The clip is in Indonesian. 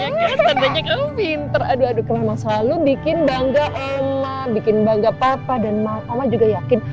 iya kan tadanya kamu pinter aduh aduh kamu emang selalu bikin bangga omah bikin bangga papa dan omah juga yakin